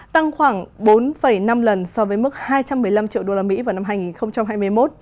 tăng khoảng bốn năm lần so với mức hai trăm một mươi năm triệu usd vào năm hai nghìn hai mươi một